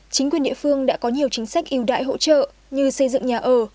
chính quyền địa phương đã có nhiều chính sách yêu đại hỗ trợ như xây dựng nhà ở